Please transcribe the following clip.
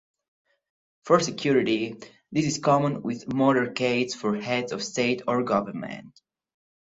For security, this is common with motorcades for heads of state or government.